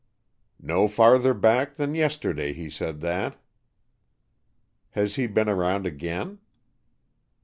"No farther back than yesterday he said that." "Has he been around again?"